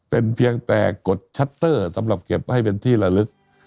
เป็นเพียงแต่กดชัตเตอร์สำหรับเก็บให้เป็นที่ละลึก